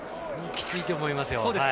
きついと思いますよ。